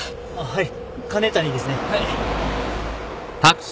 はい。